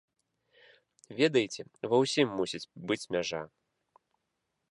Ведаеце, ва ўсім мусіць быць мяжа.